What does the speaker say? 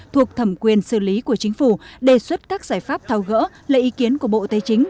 thuộc thẩm quyền xử lý của chính phủ đề xuất các giải pháp thao gỡ lời ý kiến của bộ tài chính